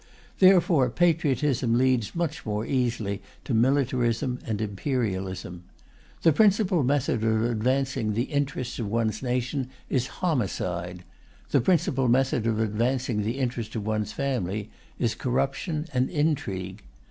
Therefore patriotism leads much more easily to militarism and imperialism. The principal method of advancing the interests of one's nation is homicide; the principal method of advancing the interest of one's family is corruption and intrigue.